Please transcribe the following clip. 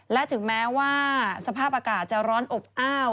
และถึงแม้ว่าสภาพอากาศจะร้อนอบอ้าว